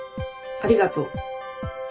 ありがとう。